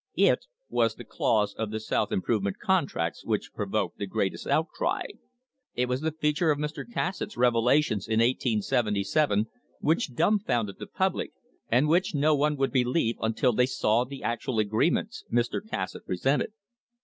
It was the clause of the South Improvement contracts which pro voked the greatest outcry. It was the feature of Mr. Cas satt's revelations in 1877 which dumfounded the public and which no one would believe until they saw the actual agree ments Mr. Cassatt presented.